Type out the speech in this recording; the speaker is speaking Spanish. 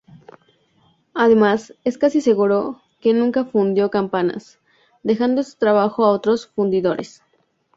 Además, es casi seguro que nunca fundió campanas, dejando este trabajo a otros fundidores.